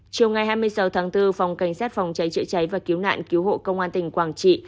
chiều ngày hai mươi sáu tháng bốn phòng cảnh sát phòng cháy chữa cháy và cứu nạn cứu hộ công an tỉnh quảng trị